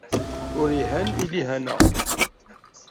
Ur ihan i lihana.